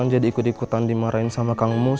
akan jadi ikut ikutan dimarahin sama kang mus